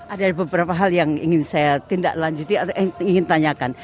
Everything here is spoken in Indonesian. ada beberapa hal yang ingin saya tindak lanjuti atau ingin tanyakan